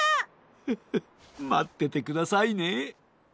フフッまっててくださいね！